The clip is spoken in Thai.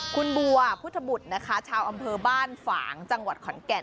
คุณบัวพุทธบุตรนะคะชาวอำเภอบ้านฝางจังหวัดขอนแก่น